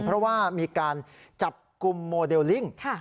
เพราะว่ามีการจับกลุ่มโมเดลลิ่ง